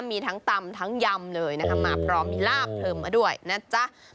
มีทั้งตำทั้งยำเลยนะคะมาพร้อมมีลาบเทิมมาด้วยนะจ๊ะ